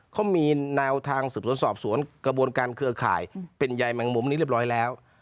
เขามีแนวทางสืบสวนสอบสวนกระบวนการเครือข่ายเป็นใยแมงมุมนี้เรียบร้อยแล้ว